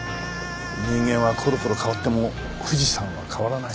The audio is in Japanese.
人間はころころ変わっても富士山は変わらない。